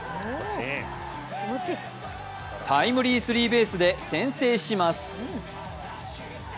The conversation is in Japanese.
タイムリースリーベースで先制します。